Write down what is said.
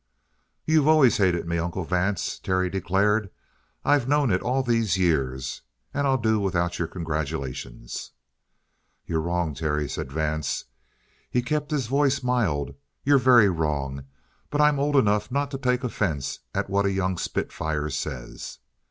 "You've always hated me, Uncle Vance," Terry declared. "I've known it all these years. And I'll do without your congratulations." "You're wrong, Terry," said Vance. He kept his voice mild. "You're very wrong. But I'm old enough not to take offense at what a young spitfire says."